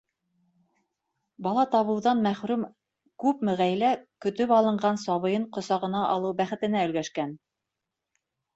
Бала табыуҙан мәхрүм күпме ғаилә көтөп алынған сабыйын ҡосағына алыу бәхетенә өлгәшкән?